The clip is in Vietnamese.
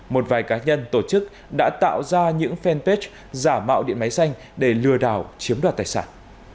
một vài cá nhân tổ chức đã tạo ra những fanpage giả mạo điện máy xanh để lừa đảo chiếm đoạt tài sản